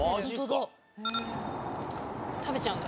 食べちゃうんだ。